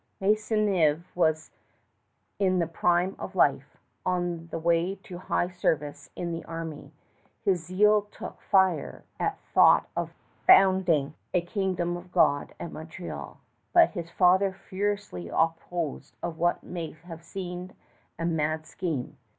Maisonneuve was in the prime of life, on the way to high service in the army. His zeal took fire at thought of founding a Kingdom of God at Montreal; but his father furiously opposed what must have seemed a mad scheme.